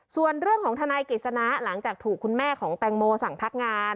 ส่วนเรื่องของทนายกฤษณะหลังจากถูกคุณแม่ของแตงโมสั่งพักงาน